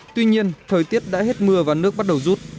tuy nhiên thời tiết đã hết mưa và nước bắt đầu rút